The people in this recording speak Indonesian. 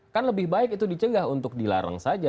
kan lebih baik itu dicegah untuk dilarang saja